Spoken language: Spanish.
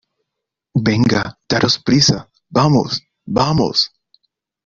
venga, daros prisa. vamos , vamos .